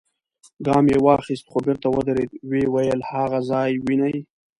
ګام يې واخيست، خو بېرته ودرېد، ويې ويل: هاغه ځای وينې؟